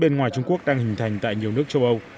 bên ngoài trung quốc đang hình thành tại nhiều nước châu âu